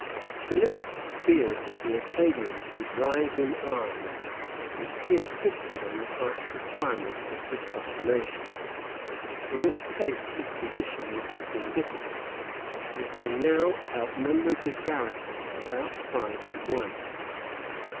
Philipps feared that the Acadians would rise in arms if he insisted on the harsh requirements of his proclamation; in which case his position would have been difficult, as they now outnumbered his garrison about five to one.